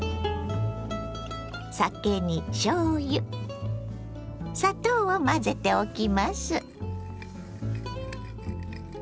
酒にしょうゆ砂糖を混ぜておきます。